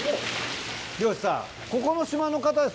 漁師さん。